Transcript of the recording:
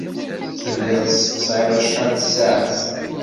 Telliḍ tesseqsayeḍ acḥal tasaɛet.